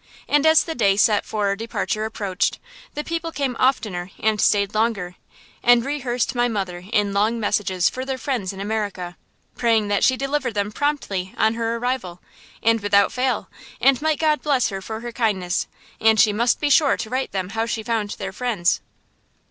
And as the day set for our departure approached, the people came oftener and stayed longer, and rehearsed my mother in long messages for their friends in America, praying that she deliver them promptly on her arrival, and without fail, and might God bless her for her kindness, and she must be sure and write them how she found their friends.